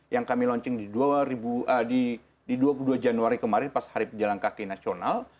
yang kami launching di dua puluh dua januari kemarin pas hari pejalan kaki nasional